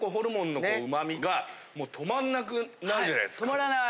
止まらない。